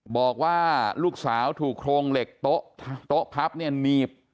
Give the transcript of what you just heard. บอกว่าลูกสาวถูกโครงเหล็กโต๊ะพับเนี่ยหนีบ